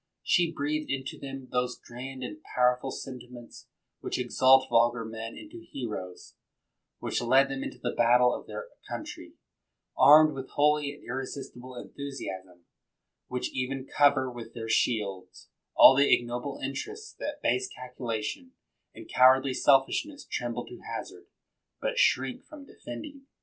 '' She breathed into them those grand and power ful sentiments which exalt vulgar men into heroes, which led thom into the battle of their countrj', armed with holy and irresistible en thusiasm; which even cover with their shield all the ignoble interests that base calculation and cowardly selfishness tremble to hazard, but shrink from defending.